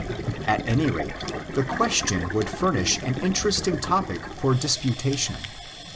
At any rate, the question would furnish an interesting topic for disputation.